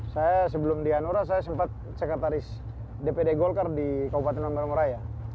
saya sebelum di hanura saya sempat sekretaris dpd golkar di kabupaten nomor satu raya